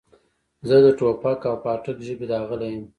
زه د ټوپک او پاټک ژبې داغلی یم.